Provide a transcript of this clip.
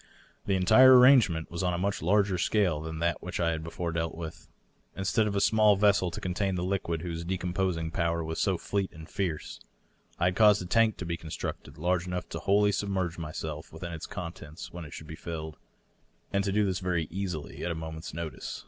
The entire arrangement was on a much larger scale than that which* I had before dealt with. Instead of a small vessel to contain the liquid whose decomposing power was so fleet and fierce, I had caused a tank to be constructed large enough to wholly submerge myself within ite contents when it should be filled, and to do this very easily, at a mo ment's notice.